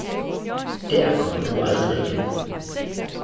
Der kommer du aldrig ind